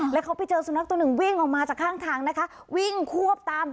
แล้วเขาไปเจอสุนัขตัวหนึ่งวิ่งออกมาจากข้างทางนะคะ